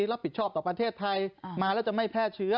รับผิดชอบต่อประเทศไทยมาแล้วจะไม่แพร่เชื้อ